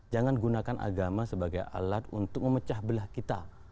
jangan gunakan agama sebagai alat untuk memecah belah kita